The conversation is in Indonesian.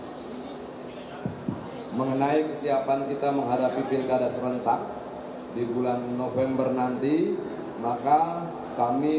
hai mengenai kesiapan kita menghadapi pilkada serentak di bulan november nanti maka kami